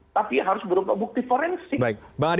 tapi harus berupa bukti forensik